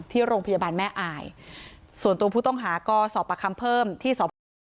ที่โรงพยาบาลแม่อายส่วนตัวผู้ต้องหาก็สอบประคำเพิ่มที่สพเมือง